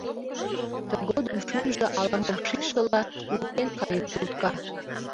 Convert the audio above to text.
Тыгодым шӱмжӧ, ала-мом шижшыла, утен каен кӱлтка.